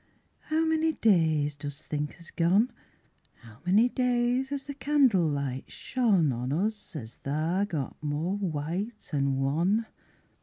How many days dost think has gone? How many days has the candle light shone On us as tha got more white an' wan?